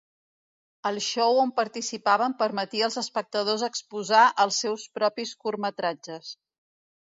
El show on participaven permetia als espectadors exposar els seus propis curtmetratges.